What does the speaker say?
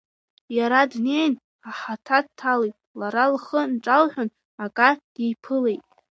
Иара днеин, аҳаҭа дҭалеит, лара ахы нҿалҳәан, ага диԥылеит.